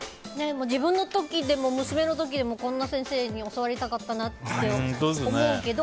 自分の時でも娘の時でもこんな先生に教わりたかったなって思うけど。